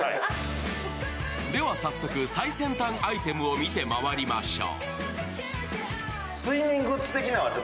では早速、最先端アイテムを見てまいりましょう。